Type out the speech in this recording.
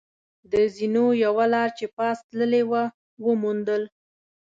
د زینو یوه لار چې پاس تللې وه، و موندل.